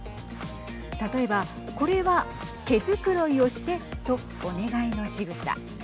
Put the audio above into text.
例えば、これは毛繕いをしてとお願いのしぐさ。